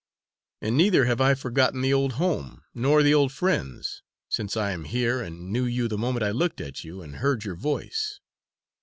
"And neither have I forgotten the old home nor the old friends since I am here and knew you the moment I looked at you and heard your voice."